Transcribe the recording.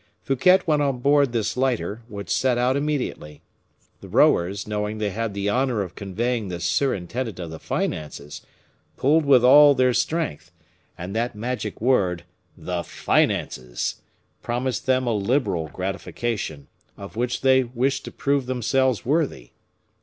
Fouquet went on board this lighter, which set out immediately. The rowers, knowing they had the honor of conveying the surintendant of the finances, pulled with all their strength, and that magic word, the finances, promised them a liberal gratification, of which they wished to prove themselves worthy.